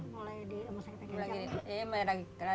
mulai di rumah sakit lagi